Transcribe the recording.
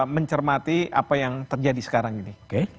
mencermati apa yang terjadi sekarang ini